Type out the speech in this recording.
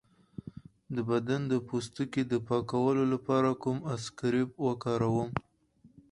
د بدن د پوستکي د پاکولو لپاره کوم اسکراب وکاروم؟